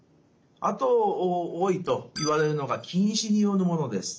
あと多いといわれるのが近視によるものです。